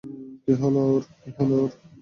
কী হলো ওর?